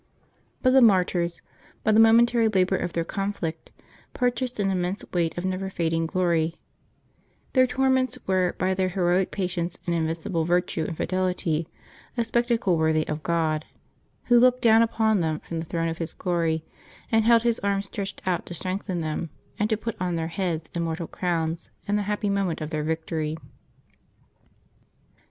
But the martyrs, by the mo mentary labor of their conflict, purchased an immense weight of never fading glory ; their torments were, by their heroic patience and invincible virtue and fidelity, a spec tacle worthy of God, Who looked down upon them from the throne of His glory, and held His arm stretched out to strengthen them, and to put on their heads immortal crowns in the happy moment of their victory.